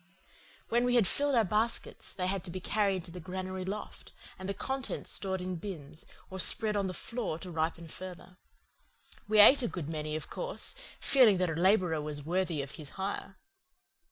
When we had filled our baskets they had to be carried to the granary loft, and the contents stored in bins or spread on the floor to ripen further. We ate a good many, of course, feeling that the labourer was worthy of his hire.